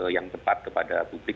yang tepat kepada publik